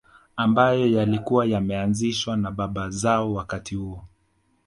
Ambayo yalikuwa yameanzishwa na baba zao wakati huo